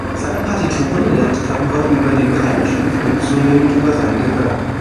Seine Partituren lernt Cambra über die Brailleschrift und zunehmend über sein Gehör.